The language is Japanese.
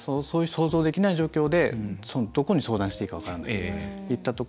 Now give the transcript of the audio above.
そういう想像できない状況でどこに相談していいか分からない。